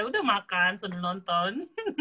udah makan sudah nonton